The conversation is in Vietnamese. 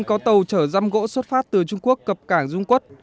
có tàu chở răm gỗ xuất phát từ trung quốc cập cảng dung quốc